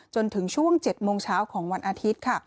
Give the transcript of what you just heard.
จนถึงช่วง๗โมงเช้าของวันอาทิตย์ค่ะ